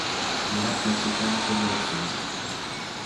Sie hat mexikanische Wurzeln.